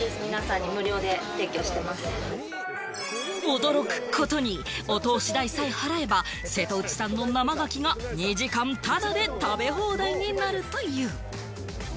驚くことに、お通し代さえ払えば、瀬戸内産の生ガキが２時間タダで食べ放題になるという。